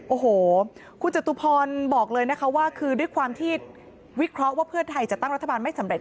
โอ้โหคุณจตุพรบอกเลยนะคะว่าคือด้วยความที่วิเคราะห์ว่าเพื่อไทยจะตั้งรัฐบาลไม่สำเร็